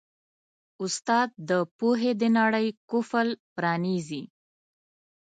استاد د پوهې د نړۍ قفل پرانیزي.